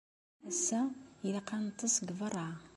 Ass-a, ilaq ad neṭṭes deg beṛṛa.